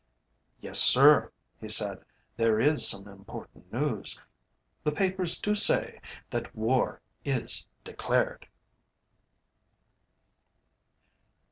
"Yes, sir," he said, "there is some important news. The papers do say that 'War is declared.'"